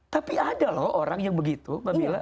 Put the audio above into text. tapi ada loh orang yang begitu mbak mila